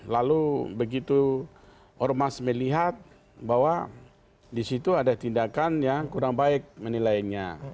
lalu begitu ormas melihat bahwa disitu ada tindakan yang kurang baik menilainya